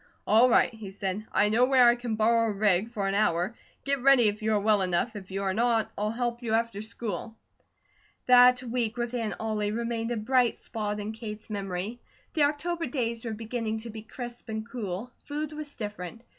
"All right," he said. "I know where I can borrow a rig for an hour. Get ready if you are well enough, if you are not, I'll help you after school." That week with Aunt Ollie remained a bright spot in Kate's memory. The October days were beginning to be crisp and cool. Food was different.